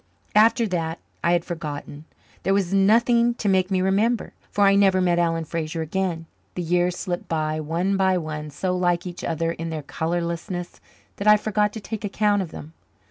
After that I had forgotten. There was nothing to make me remember, for I never met Alan Fraser again. The years slipped by, one by one, so like each other in their colourlessness that I forgot to take account of them.